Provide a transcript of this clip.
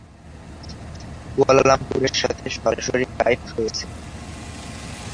কুয়ালালামপুরের সাথে সরাসরি ফ্লাইট রয়েছে।